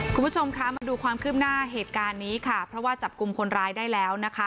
คุณผู้ชมคะมาดูความคืบหน้าเหตุการณ์นี้ค่ะเพราะว่าจับกลุ่มคนร้ายได้แล้วนะคะ